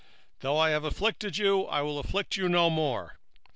Though I have afflicted thee, I will afflict thee no more.